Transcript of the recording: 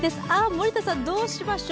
森田さん、どうしましょう。